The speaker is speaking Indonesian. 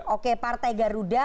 oke partai garuda